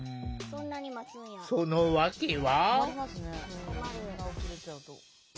その訳は。